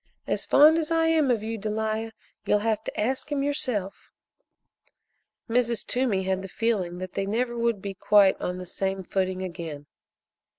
As fond as I am of you, Delia, you'll have to ask him yourself." Mrs. Toomey had the feeling that they never would be quite on the same footing again.